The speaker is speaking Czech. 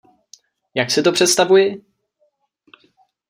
Jak si to představuji?